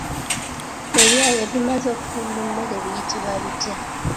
Ebyayi ebimaze okufumba emmere buyitibwa bitya?